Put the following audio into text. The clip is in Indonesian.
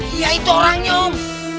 dia itu orangnya om